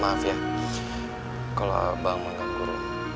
maaf ya kalau abang mau nganggur